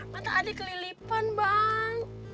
mata adik kelilipan bang